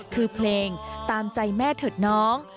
คือเพลงตามใจแม่เถอะน้อง